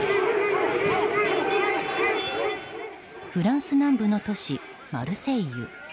フランス南部の都市マルセイユ。